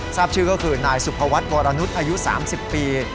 ทราบชื่อก็คือนายสุภวัฒน์วรนุษย์อายุ๓๐ปี